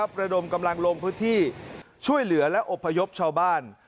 ระดมกำลังลงพื้นที่ช่วยเหลือและอบพยพชาวบ้าน